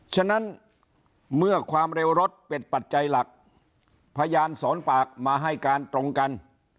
ฉะนั้นเมื่อความเร็วรถเป็นปัจจัยหลักพยานสอนปากมาให้การตรงกัน